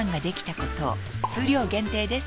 数量限定です